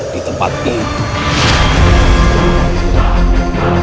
di tempat ini